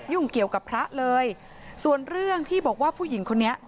เกี่ยวกับพระเลยส่วนเรื่องที่บอกว่าผู้หญิงคนนี้